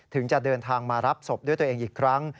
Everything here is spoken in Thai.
จะเดินทางมารับศพด้วยตัวเองอีกครั้ง